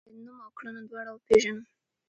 زه باید نوم او کړنه دواړه وپیژنم.